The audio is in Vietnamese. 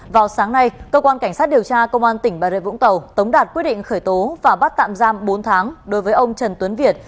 vào sáng nay cơ quan cảnh sát điều tra công an tỉnh bà rệ vũng tàu tống đạt quyết định khởi tố và bắt tạm giam bốn tháng đối với ông trần tuấn việt